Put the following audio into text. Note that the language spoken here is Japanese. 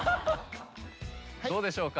どうでしょうか？